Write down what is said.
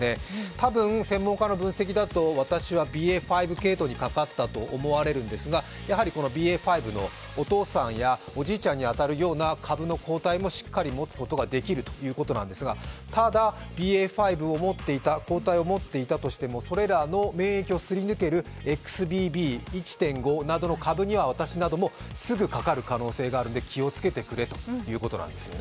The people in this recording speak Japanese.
たぶん、専門家の分析だと私はＢＡ．５系統にかかったと思われるんですが、やはり、このＢＡ．５のお父さんやおじいちゃんに当たるような株の抗体もしっかり持つことができるということなんですが、ただ、ＢＡ．５の抗体を持っていたとしてもそれらの免疫をすり抜けるＸＢＢ．１．５の株などには私などもすぐかかる可能性があるので気をつけてくれということなんですね。